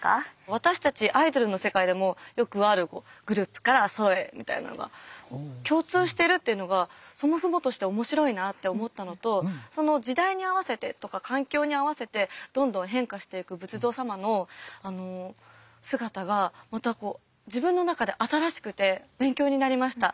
私たちアイドルの世界でもよくあるグループからソロへみたいなのが共通してるっていうのがそもそもとして面白いなあって思ったのとその時代に合わせてとか環境に合わせてどんどん変化していく仏像様の姿が自分の中で新しくて勉強になりました。